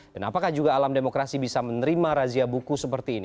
dan apakah juga alam demokrasi bisa menerima razia buku seperti ini